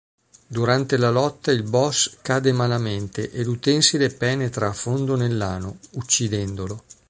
Durante la lotta il boss cade malamente e l'utensile penetra a fondo nell'ano, uccidendolo.